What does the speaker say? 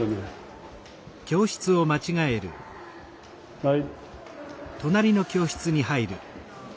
はい。